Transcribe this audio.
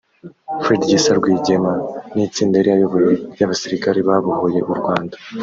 Fred Gisa Rwigema n’itsinda yari ayoboye ry’abasirikare babohoye u Rwanda